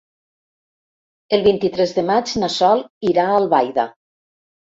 El vint-i-tres de maig na Sol irà a Albaida.